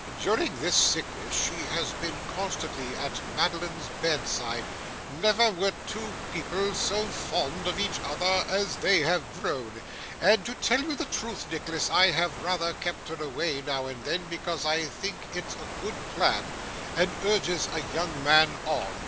During this sickness, she has been constantly at Madeline's bedside never were two people so fond of each other as they have grown and to tell you the truth, Nicholas, I have rather kept her away now and then, because I think it's a good plan, and urges a young man on.